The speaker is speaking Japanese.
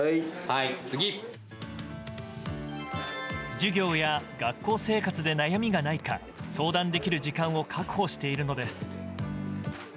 授業や学校生活で悩みがないか相談できる時間を確保しているのです。